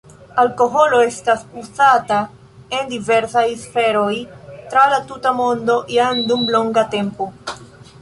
Alkoholo estas uzata en diversaj sferoj tra la tuta mondo jam dum longa tempo.